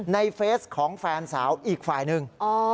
เฟสของแฟนสาวอีกฝ่ายหนึ่ง